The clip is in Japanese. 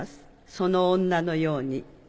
その女のように。